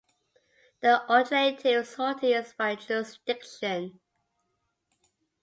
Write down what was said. The alternative sorting is by jurisdiction.